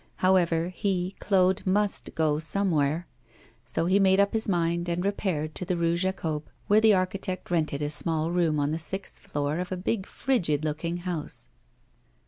However, he, Claude, must go somewhere. So he made up his mind, and repaired to the Rue Jacob, where the architect rented a small room on the sixth floor of a big frigid looking house.